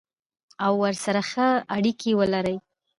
او ورسره ښه اړیکه ولري.